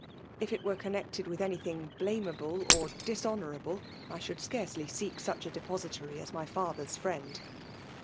"If ^%ere connected with any thing blameablo (^^dishonourable, I should scarcely seek sneh a^dpotoitary as my faflter s friend."